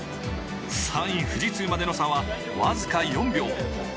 ３位・富士通までの差は僅か４秒。